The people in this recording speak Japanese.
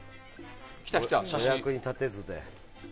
お役に立てずで。